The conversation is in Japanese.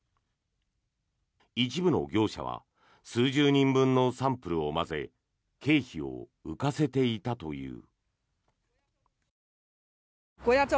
一部の業者は数十人分のサンプルを混ぜ経費を浮かせていたという。